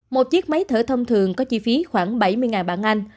một chiếc máy thở thông thường có chi phí khoảng bảy mươi bạn anh